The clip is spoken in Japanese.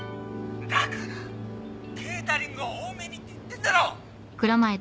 だからケータリングは多めにって言ってんだろ！